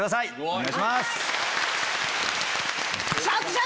お願いします。